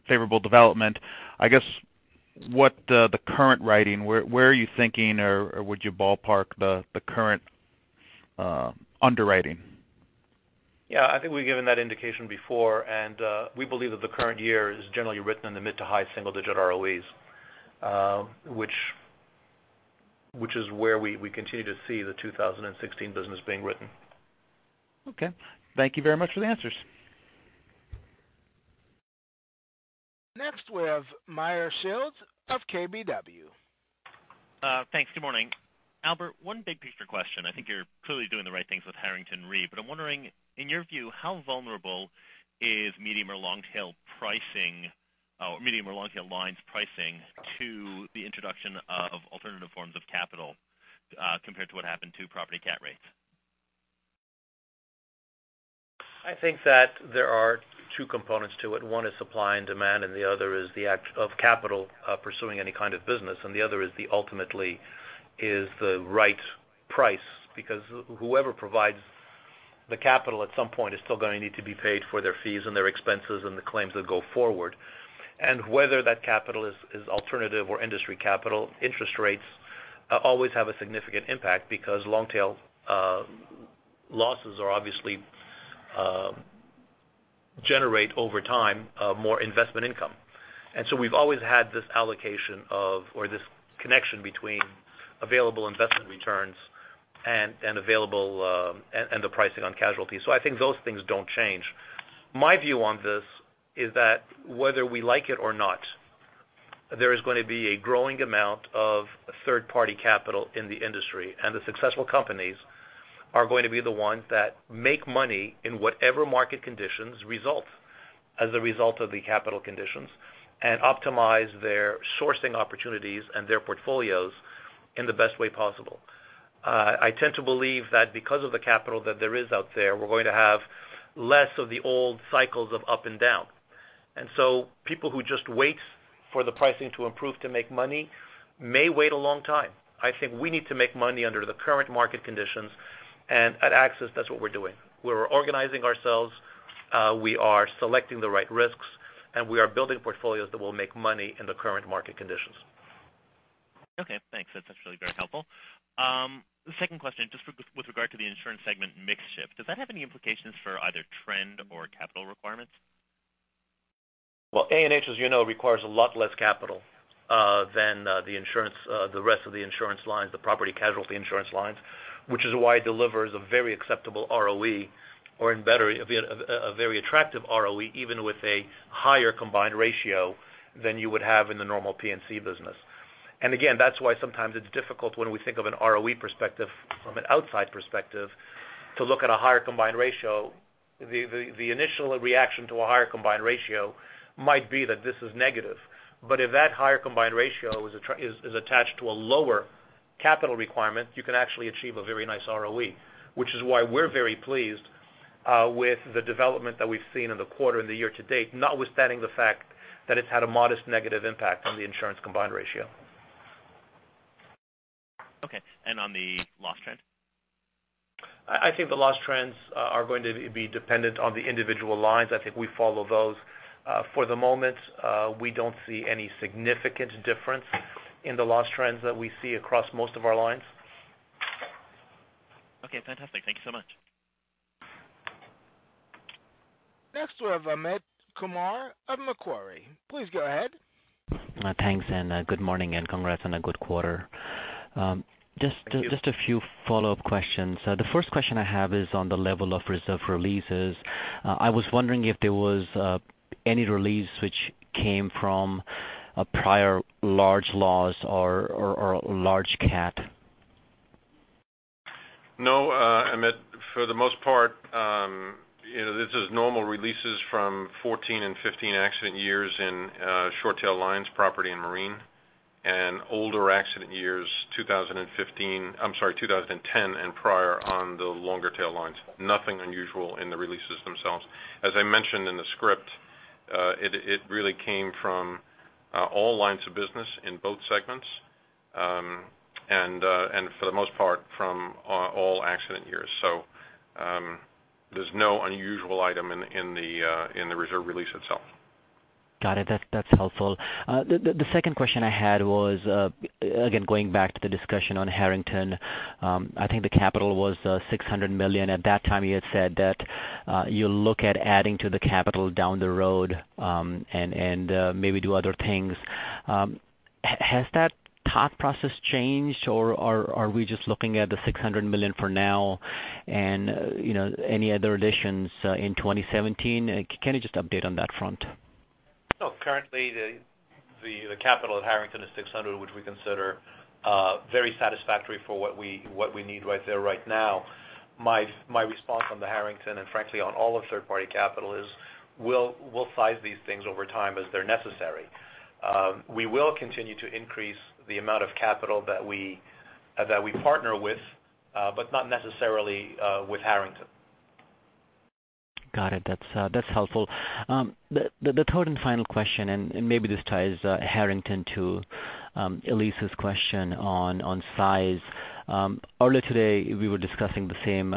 favorable development. I guess, what the current writing, where are you thinking, or where would you ballpark the current underwriting? Yeah, I think we've given that indication before, we believe that the current year is generally written in the mid to high single-digit ROEs which is where we continue to see the 2016 business being written. Okay. Thank you very much for the answers. Next, we have Meyer Shields of KBW. Thanks. Good morning. Albert, one big picture question. I think you're clearly doing the right things with Harrington Re. I'm wondering, in your view, how vulnerable is medium or long tail pricing, or medium or long tail lines pricing to the introduction of alternative forms of capital compared to what happened to property CAT rates? I think that there are two components to it. One is supply and demand. The other is the act of capital pursuing any kind of business. The other, ultimately, is the right price because whoever provides the capital at some point is still going to need to be paid for their fees and their expenses and the claims that go forward. Whether that capital is alternative or industry capital, interest rates always have a significant impact because long tail losses obviously generate over time, more investment income. We've always had this allocation of, or this connection between available investment returns and the pricing on casualty. I think those things don't change. My view on this is that whether we like it or not, there is going to be a growing amount of third-party capital in the industry, and the successful companies are going to be the ones that make money in whatever market conditions result as a result of the capital conditions and optimize their sourcing opportunities and their portfolios in the best way possible. I tend to believe that because of the capital that there is out there, we're going to have less of the old cycles of up and down. People who just wait for the pricing to improve to make money may wait a long time. I think we need to make money under the current market conditions, and at AXIS, that's what we're doing. We're organizing ourselves, we are selecting the right risks, and we are building portfolios that will make money in the current market conditions. Okay, thanks. That's actually very helpful. Second question, just with regard to the insurance segment mix shift, does that have any implications for either trend or capital requirements? Well, A&H, as you know, requires a lot less capital than the rest of the insurance lines, the property casualty insurance lines, which is why it delivers a very acceptable ROE or a very attractive ROE, even with a higher combined ratio than you would have in the normal P&C business. Again, that's why sometimes it's difficult when we think of an ROE perspective from an outside perspective to look at a higher combined ratio. The initial reaction to a higher combined ratio might be that this is negative. If that higher combined ratio is attached to a lower capital requirement, you can actually achieve a very nice ROE, which is why we're very pleased with the development that we've seen in the quarter and the year to date, notwithstanding the fact that it's had a modest negative impact on the insurance combined ratio. Okay. On the loss trend? I think the loss trends are going to be dependent on the individual lines. I think we follow those. For the moment, we don't see any significant difference in the loss trends that we see across most of our lines. Okay, fantastic. Thank you so much. Next we have Amit Kumar of Macquarie. Please go ahead. Thanks, good morning, and congrats on a good quarter. Thank you. Just a few follow-up questions. The first question I have is on the level of reserve releases. I was wondering if there was any release which came from a prior large loss or a large CAT? No, Amit, for the most part, this is normal releases from 2014 and 2015 accident years in short tail lines, property and marine, and older accident years, 2010 and prior on the longer tail lines. Nothing unusual in the releases themselves. As I mentioned in the script, it really came from all lines of business in both segments, and for the most part, from all accident years. There's no unusual item in the reserve release itself. Got it. That's helpful. The second question I had was, again, going back to the discussion on Harrington. I think the capital was $600 million. At that time, you had said that you'll look at adding to the capital down the road, and maybe do other things. Has that thought process changed, or are we just looking at the $600 million for now and any other additions in 2017? Can you just update on that front? No, currently, the capital at Harrington is $600, which we consider very satisfactory for what we need right there right now. My response on the Harrington, and frankly on all of third-party capital, is we'll size these things over time as they're necessary. We will continue to increase the amount of capital that we partner with, but not necessarily with Harrington. Got it. That's helpful. The third and final question, and maybe this ties Harrington to Elyse's question on size. Earlier today, we were discussing the same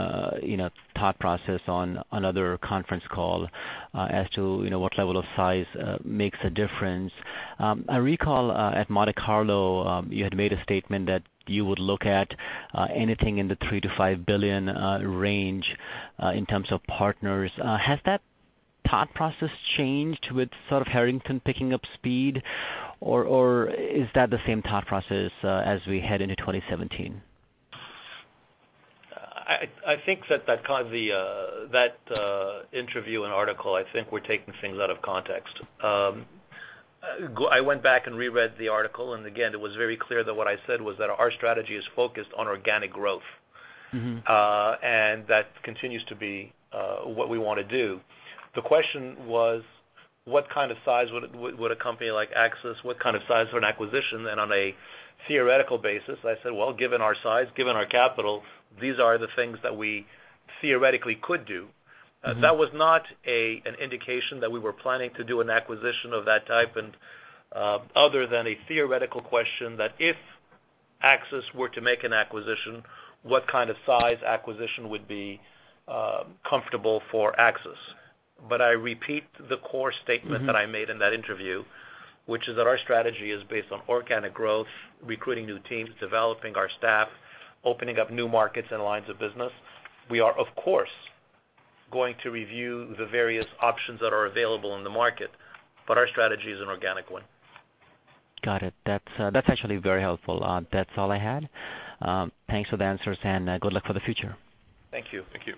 thought process on another conference call as to what level of size makes a difference. I recall at Monte Carlo, you had made a statement that you would look at anything in the $3 billion-$5 billion range in terms of partners. Has that thought process changed with sort of Harrington picking up speed, or is that the same thought process as we head into 2017? I think that interview and article, I think we're taking things out of context. I went back and reread the article, and again, it was very clear that what I said was that our strategy is focused on organic growth. That continues to be what we want to do. The question was, would a company like AXIS, what kind of size for an acquisition? On a theoretical basis, I said, well, given our size, given our capital, these are the things that we theoretically could do. That was not an indication that we were planning to do an acquisition of that type, and other than a theoretical question that if AXIS were to make an acquisition, what kind of size acquisition would be comfortable for AXIS. I repeat the core statement that I made in that interview, which is that our strategy is based on organic growth, recruiting new teams, developing our staff, opening up new markets and lines of business. We are, of course, going to review the various options that are available in the market, but our strategy is an organic one. Got it. That's actually very helpful. That's all I had. Thanks for the answers and good luck for the future. Thank you. Thank you.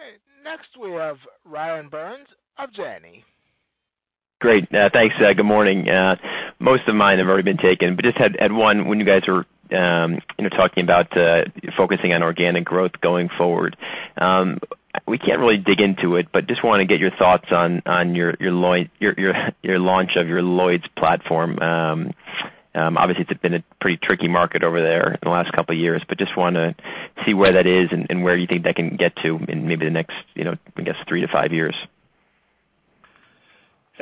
Okay. Next we have Ryan Burns of Janney. Great. Thanks. Good morning. Most of mine have already been taken, but just had one when you guys were talking about focusing on organic growth going forward. We can't really dig into it, but just want to get your thoughts on your launch of your Lloyd's platform. Obviously, it's been a pretty tricky market over there in the last couple of years, but just want to see where that is and where you think that can get to in maybe the next, I guess, three to five years.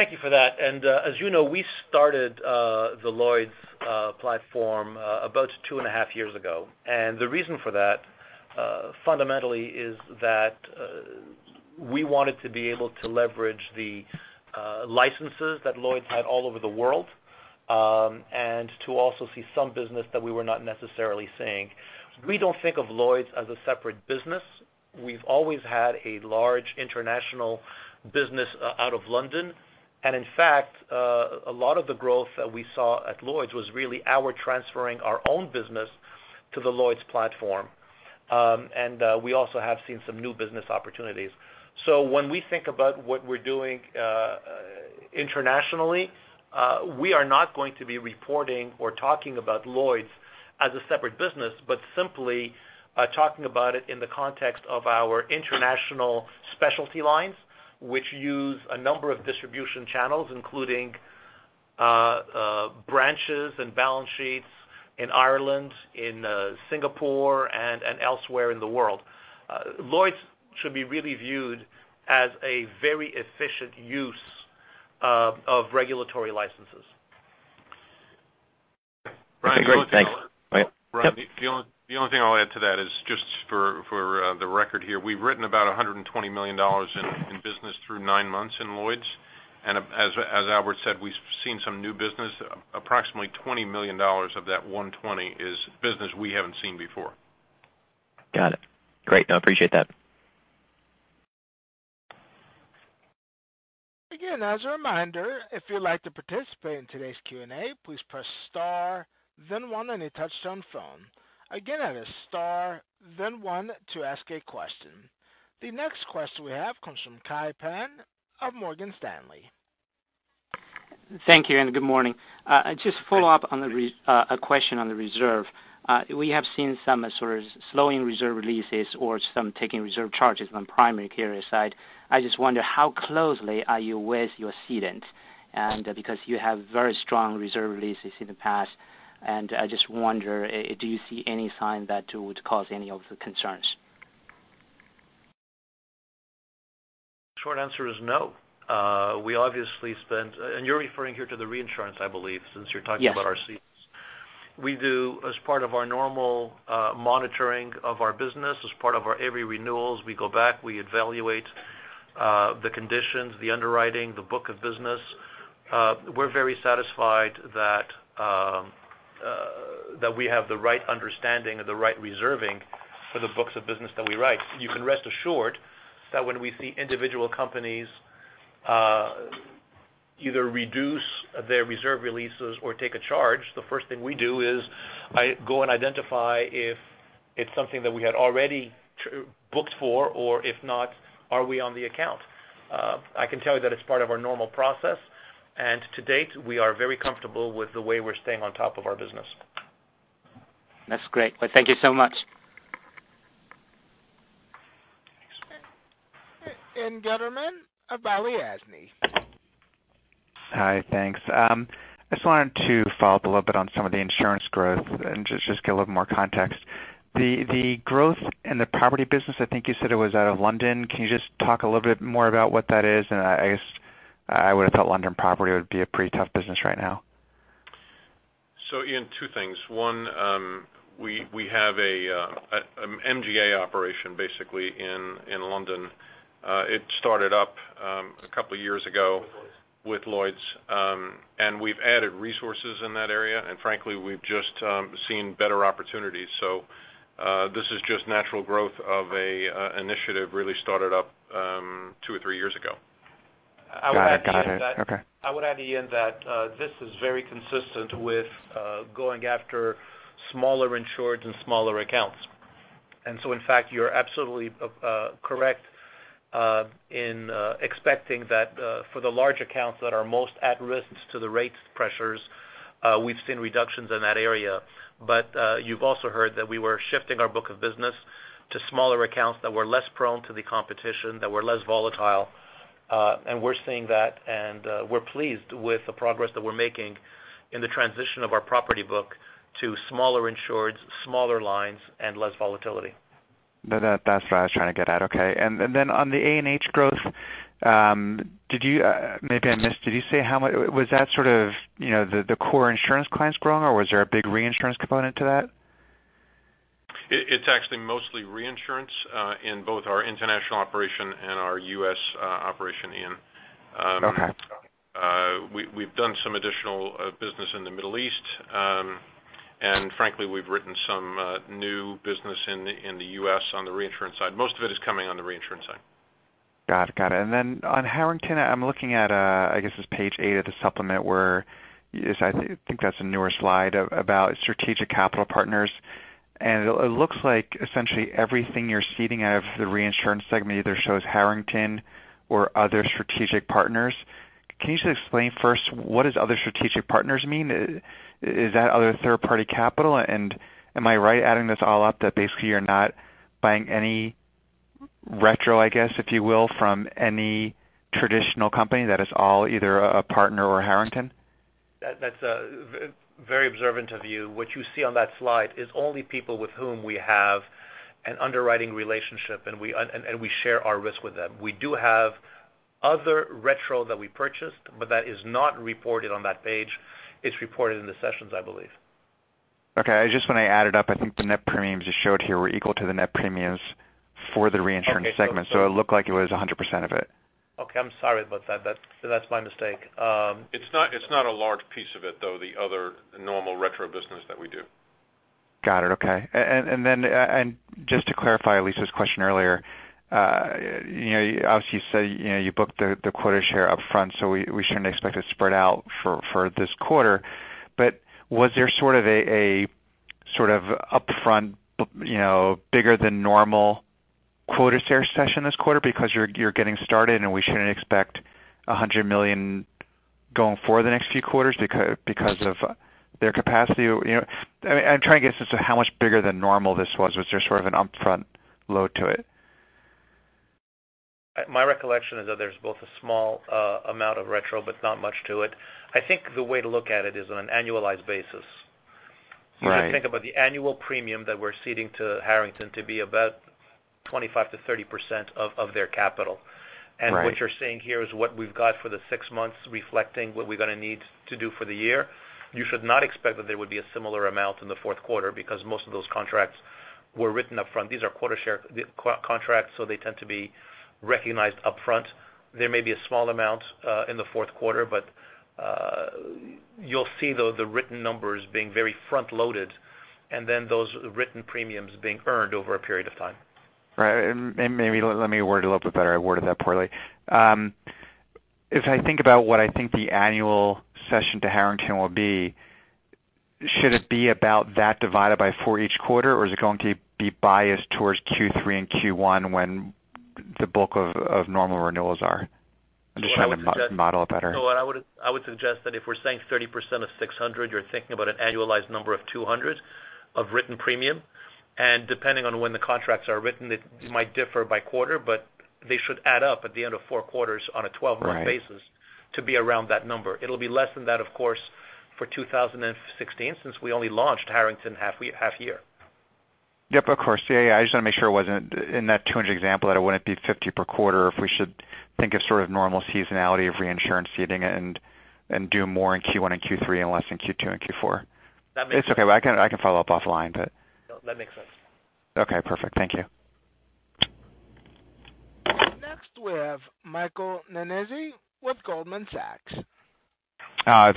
Thank you for that. As you know, we started the Lloyd's platform about two and a half years ago. The reason for that, fundamentally, is that we wanted to be able to leverage the licenses that Lloyd's had all over the world, and to also see some business that we were not necessarily seeing. We don't think of Lloyd's as a separate business. We've always had a large international business out of London. In fact, a lot of the growth that we saw at Lloyd's was really our transferring our own business to the Lloyd's platform. We also have seen some new business opportunities. When we think about what we're doing internationally, we are not going to be reporting or talking about Lloyd's as a separate business, but simply talking about it in the context of our international specialty lines, which use a number of distribution channels, including branches and balance sheets in Ireland, in Singapore, and elsewhere in the world. Lloyd's should be really viewed as a very efficient use of regulatory licenses. Okay, great. Thanks. Ryan, the only thing I'll add to that is just for the record here, we've written about $120 million through nine months in Lloyd's. As Albert said, we've seen some new business. Approximately $20 million of that $120 is business we haven't seen before. Got it. Great. Appreciate that. Again, as a reminder, if you'd like to participate in today's Q&A, please press star then one on a touch-tone phone. Again, that is star then one to ask a question. The next question we have comes from Kai Pan of Morgan Stanley. Thank you. Good morning. Just follow up on a question on the reserve. We have seen some sort of slowing reserve releases or some taking reserve charges on primary carrier side. I just wonder how closely are you with your ceding, and because you have very strong reserve releases in the past, and I just wonder, do you see any sign that would cause any of the concerns? Short answer is no. You're referring here to the reinsurance, I believe, since you're talking about our cedents. Yes. We do as part of our normal monitoring of our business, as part of our every renewals, we go back, we evaluate the conditions, the underwriting, the book of business. We're very satisfied that we have the right understanding and the right reserving for the books of business that we write. You can rest assured that when we see individual companies either reduce their reserve releases or take a charge, the first thing we do is go and identify if it's something that we had already booked for or if not, are we on the account? I can tell you that it's part of our normal process, and to date, we are very comfortable with the way we're staying on top of our business. That's great. Thank you so much. Ian Gutterman of Balyasny. Hi, thanks. I just wanted to follow up a little bit on some of the insurance growth and just get a little more context. The growth in the property business, I think you said it was out of London. Can you just talk a little bit more about what that is? I guess I would have thought London property would be a pretty tough business right now. Ian, two things. One, we have an MGA operation basically in London. It started up a couple of years ago with Lloyd's. We've added resources in that area, and frankly, we've just seen better opportunities. This is just natural growth of an initiative really started up two or three years ago. Got it. Okay. I would add, Ian, that this is very consistent with going after smaller insureds and smaller accounts. In fact, you're absolutely correct in expecting that for the large accounts that are most at risk to the rates pressures, we've seen reductions in that area. You've also heard that we were shifting our book of business to smaller accounts that were less prone to the competition, that were less volatile. We're seeing that, and we're pleased with the progress that we're making in the transition of our property book to smaller insureds, smaller lines, and less volatility. That's what I was trying to get at. Okay. On the A&H growth, maybe I missed, was that sort of the core insurance clients growing, or was there a big reinsurance component to that? It's actually mostly reinsurance in both our international operation and our U.S. operation, Ian. Okay. We've done some additional business in the Middle East. Frankly, we've written some new business in the U.S. on the reinsurance side. Most of it is coming on the reinsurance side. Got it. Then on Harrington, I'm looking at, I guess it's page eight of the supplement where I think that's a newer slide about strategic capital partners. It looks like essentially everything you're ceding out of the reinsurance segment either shows Harrington or other strategic partners. Can you just explain first, what does other strategic partners mean? Is that other third-party capital? Am I right adding this all up that basically you're not buying any retro, I guess, if you will, from any traditional company that is all either a partner or Harrington? That's very observant of you. What you see on that slide is only people with whom we have an underwriting relationship, and we share our risk with them. We do have other retro that we purchased, but that is not reported on that page. It's reported in the sessions, I believe. Okay. I just when I added up, I think the net premiums you showed here were equal to the net premiums for the reinsurance segment. Okay. it looked like it was 100% of it. Okay. I'm sorry about that. That's my mistake. It's not a large piece of it, though, the other normal retro business that we do. Got it. Okay. Just to clarify Elyse's question earlier, obviously, you said you booked the quota share up front, we shouldn't expect it to spread out for this quarter. Was there sort of upfront bigger than normal quota share session this quarter because you're getting started and we shouldn't expect $100 million going forward the next few quarters because of their capacity? I'm trying to get a sense of how much bigger than normal this was. Was there sort of an upfront load to it? My recollection is that there's both a small amount of retro, but not much to it. I think the way to look at it is on an annualized basis. Right. If you think about the annual premium that we're ceding to Harrington to be about 25%-30% of their capital. Right. What you're seeing here is what we've got for the six months reflecting what we're going to need to do for the year. You should not expect that there would be a similar amount in the fourth quarter because most of those contracts were written upfront. These are quota contracts, so they tend to be recognized upfront. There may be a small amount in the fourth quarter, but you'll see the written numbers being very front-loaded, and then those written premiums being earned over a period of time. Right. Maybe let me word it a little bit better. I worded that poorly. If I think about what I think the annual session to Harrington will be, should it be about that divided by four each quarter, or is it going to be biased towards Q3 and Q1 when the bulk of normal renewals are? I'm just trying to model it better. No, what I would suggest that if we're saying 30% of 600, you're thinking about an annualized number of 200 of written premium, and depending on when the contracts are written, it might differ by quarter, but they should add up at the end of four quarters on a 12-month basis to be around that number. It will be less than that, of course, for 2016, since we only launched Harrington half year. Yep, of course. Yeah. I just want to make sure it wasn't, in that 200 example, that it wouldn't be 50 per quarter if we should think of sort of normal seasonality of reinsurance ceding it and do more in Q1 and Q3 and less in Q2 and Q4. That makes sense. It's okay. I can follow up offline. No, that makes sense. Okay, perfect. Thank you. Next, we have Michael Nannizzi with Goldman Sachs.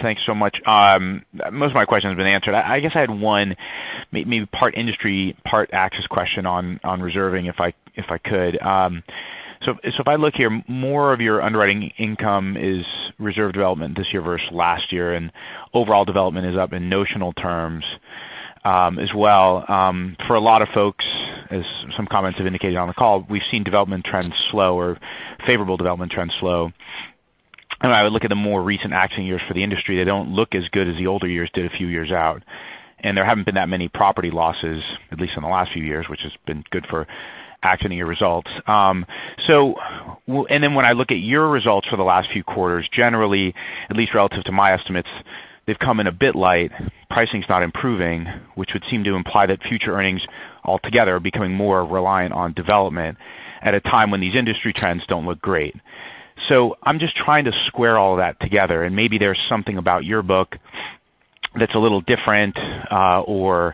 Thanks so much. Most of my questions have been answered. I guess I had one, maybe part industry, part AXIS question on reserving, if I could. If I look here, more of your underwriting income is reserve development this year versus last year, and overall development is up in notional terms as well. For a lot of folks, as some comments have indicated on the call, we've seen development trends slow or favorable development trends slow. I would look at the more recent action years for the industry. They don't look as good as the older years did a few years out. There haven't been that many property losses, at least in the last few years, which has been good for accident year results. When I look at your results for the last few quarters, generally, at least relative to my estimates, they've come in a bit light. Pricing's not improving, which would seem to imply that future earnings altogether are becoming more reliant on development at a time when these industry trends don't look great. I'm just trying to square all that together, and maybe there's something about your book that's a little different or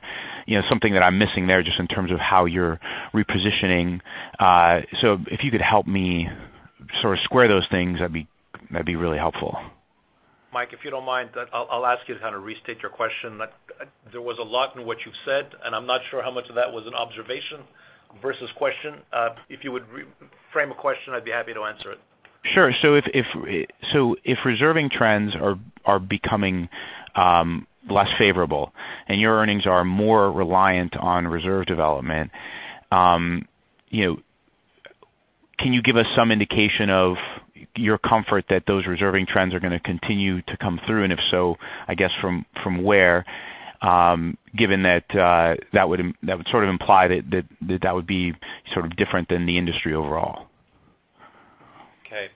something that I'm missing there just in terms of how you're repositioning. If you could help me sort of square those things, that'd be really helpful. Mike, if you don't mind, I'll ask you to kind of restate your question. There was a lot in what you've said, and I'm not sure how much of that was an observation versus question. If you would re-frame a question, I'd be happy to answer it. Sure. If reserving trends are becoming less favorable and your earnings are more reliant on reserve development, can you give us some indication of your comfort that those reserving trends are going to continue to come through, and if so, I guess from where, given that would sort of imply that would be sort of different than the industry overall? Okay.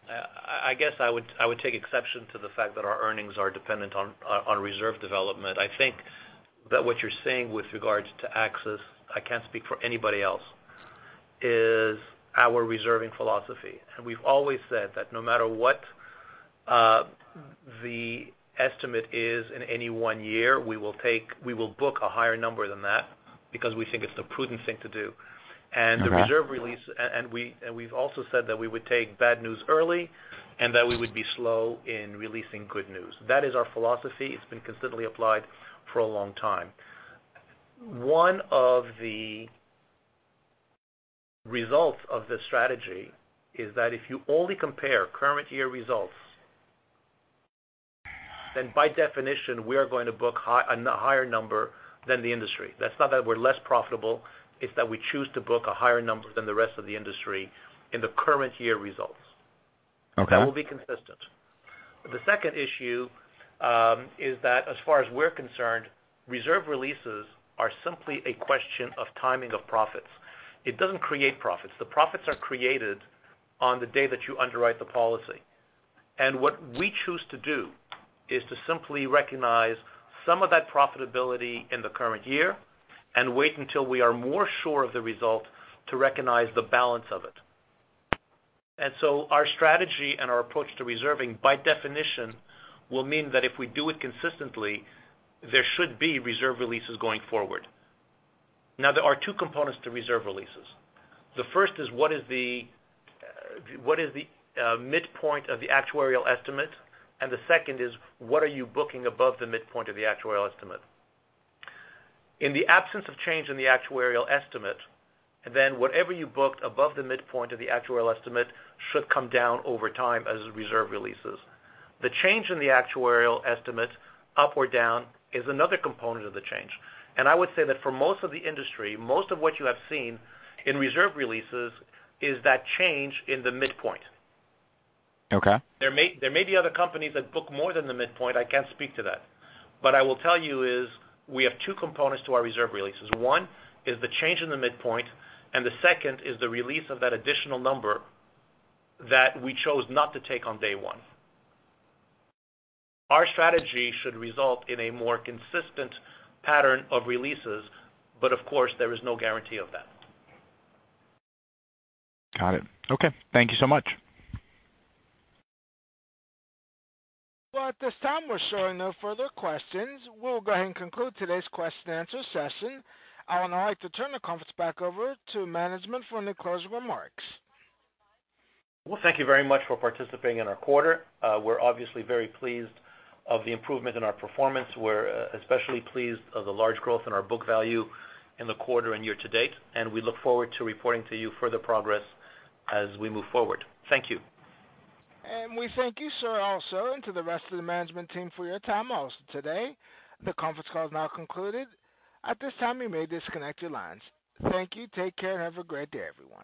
I guess I would take exception to the fact that our earnings are dependent on reserve development. I think that what you're saying with regards to AXIS, I can't speak for anybody else, is our reserving philosophy. We've always said that no matter what the estimate is in any one year, we will book a higher number than that because we think it's the prudent thing to do. Okay. The reserve release, we've also said that we would take bad news early and that we would be slow in releasing good news. That is our philosophy. It's been consistently applied for a long time. One of the results of this strategy is that if you only compare current year results, by definition, we are going to book a higher number than the industry. That's not that we're less profitable, it's that we choose to book a higher number than the rest of the industry in the current year results. Okay. That will be consistent. The second issue is that as far as we're concerned, reserve releases are simply a question of timing of profits. It doesn't create profits. The profits are created on the day that you underwrite the policy. What we choose to do is to simply recognize some of that profitability in the current year and wait until we are more sure of the result to recognize the balance of it. Our strategy and our approach to reserving by definition will mean that if we do it consistently, there should be reserve releases going forward. There are two components to reserve releases. The first is what is the midpoint of the actuarial estimate, and the second is what are you booking above the midpoint of the actuarial estimate. In the absence of change in the actuarial estimate, whatever you booked above the midpoint of the actuarial estimate should come down over time as reserve releases. The change in the actuarial estimate up or down is another component of the change. I would say that for most of the industry, most of what you have seen in reserve releases is that change in the midpoint. Okay. There may be other companies that book more than the midpoint, I can't speak to that. What I will tell you is we have two components to our reserve releases. One is the change in the midpoint, and the second is the release of that additional number that we chose not to take on day one. Our strategy should result in a more consistent pattern of releases, but of course, there is no guarantee of that. Got it. Okay. Thank you so much. Well, at this time, we're showing no further questions. We'll go ahead and conclude today's question and answer session. I would now like to turn the conference back over to management for any closing remarks. Well, thank you very much for participating in our quarter. We're obviously very pleased of the improvement in our performance. We're especially pleased of the large growth in our book value in the quarter and year to date, and we look forward to reporting to you further progress as we move forward. Thank you. We thank you, sir, also, and to the rest of the management team for your time also today. The conference call is now concluded. At this time, you may disconnect your lines. Thank you. Take care, and have a great day, everyone.